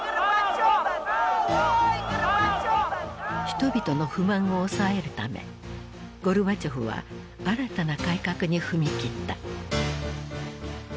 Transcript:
人々の不満を抑えるためゴルバチョフは新たな改革に踏み切った。